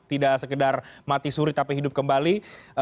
tidak sekedar mati suri tapi hidup kembali